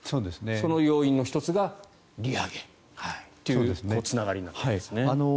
その要因の１つが利上げというつながりになっていますね。